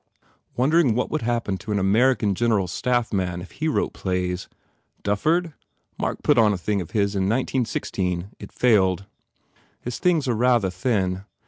"Wondering what would happen to an Amer ican General Staff man if he wrote plays. ... Dufford? Mark put a thing of his on in nineteen sixteen. It failed." "His things are rather thin.